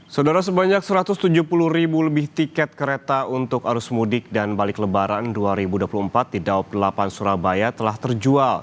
saudara sebanyak satu ratus tujuh puluh ribu lebih tiket kereta untuk arus mudik dan balik lebaran dua ribu dua puluh empat di daob delapan surabaya telah terjual